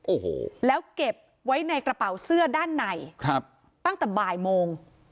โอ้โหแล้วเก็บไว้ในกระเป๋าเสื้อด้านในครับตั้งแต่บ่ายโมง